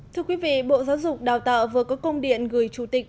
thưa quý vị bộ giáo dục đào tạo vừa có công điện gửi chủ tịch